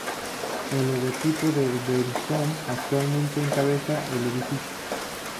El logotipo de Verizon actualmente encabeza el edificio.